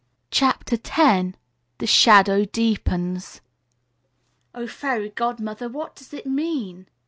CHAPTER X THE SHADOW DEEPENS "Oh, Fairy Godmother, what does it mean?"